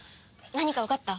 何かわかった？